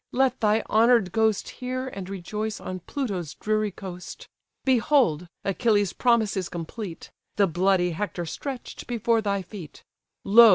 let thy honour'd ghost Hear, and rejoice on Pluto's dreary coast; Behold! Achilles' promise is complete; The bloody Hector stretch'd before thy feet. Lo!